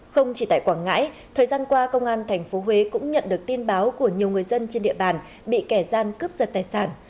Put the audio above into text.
không chỉ tại quảng ngãi thời gian qua công an tp huế cũng nhận được tin báo của nhiều người dân trên địa bàn bị kẻ gian cướp giật tài sản